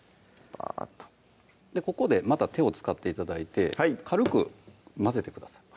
バーッとここでまた手を使って頂いて軽く混ぜてください